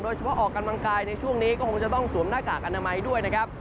ออกกำลังกายในช่วงนี้ก็คงจะต้องสวมหน้ากากอนามัยด้วยนะครับ